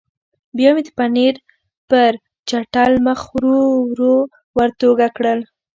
بیا مې د پنیر پر چټل مخ ورو ورو ورتوږه کړل.